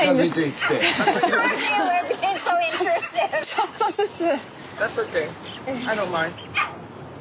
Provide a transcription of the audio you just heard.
ちょっとずつ。